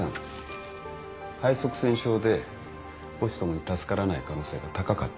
肺塞栓症で母子共に助からない可能性が高かった。